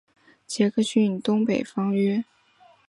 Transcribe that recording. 杰克逊东北方约。